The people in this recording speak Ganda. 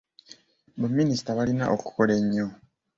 Baminisita balina okukola ennyo.